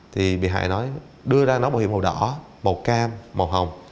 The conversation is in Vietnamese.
thì đối tượng có mở đèn lên